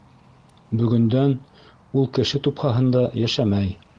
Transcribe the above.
Бөгөндән ул кеше тупһаһында йәшәмәй!